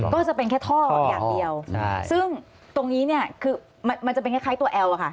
ก็จะเป็นแค่ท่ออย่างเดียวซึ่งตรงนี้เนี่ยคือมันจะเป็นคล้ายตัวแอลอะค่ะ